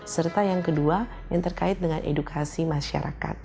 serta yang kedua yang terkait dengan edukasi masyarakat